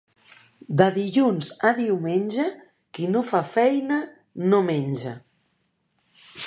De dilluns a diumenge qui no fa feina no menja.